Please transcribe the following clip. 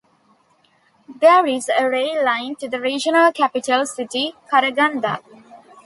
There is a rail line to the regional capital city Karaganda.